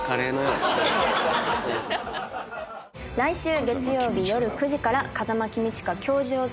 来週月曜日夜９時から『風間公親−教場０−』